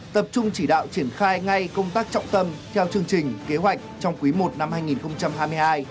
tập trung chỉ đạo triển khai ngay công tác trọng tâm theo chương trình kế hoạch trong quý i năm hai nghìn hai mươi hai